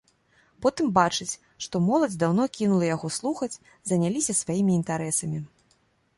Потым бачыць, што моладзь даўно кінула яго слухаць, заняліся сваімі інтарэсамі.